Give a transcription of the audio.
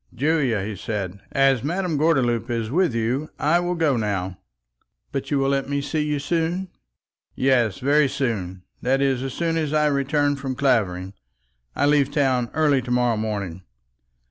"Julia," he said, "as Madame Gordeloup is with you, I will now go." "But you will let me see you soon?" "Yes, very soon; that is, as soon as I return from Clavering. I leave town early to morrow morning."